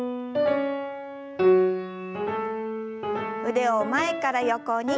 腕を前から横に。